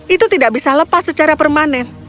itu tidak bisa lepas secara permanen